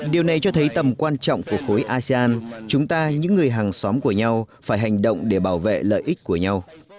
điều này cho thấy tầm quan trọng của khối asean chúng ta những người hàng xóm của nhau phải hành động để bảo vệ lợi ích của nhau